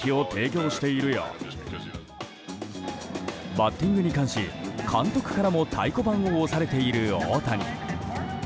バッティングに関し監督からも太鼓判を押されている大谷。